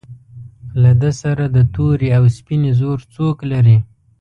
له ده سره د تورې او سپینې زور څوک لري.